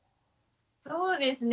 そうですね。